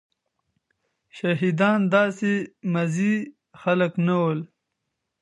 شهيدان داسي ماځي خلک نه ول.